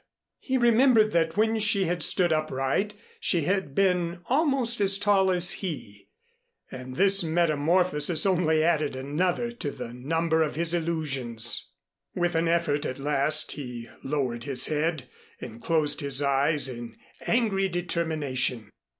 He remembered that when she had stood upright she had been almost as tall as he, and this metamorphosis only added another to the number of his illusions. With an effort, at last, he lowered his head and closed his eyes, in angry determination.